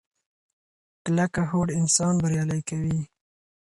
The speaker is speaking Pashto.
کلکه هوډ انسان بریالی کوي.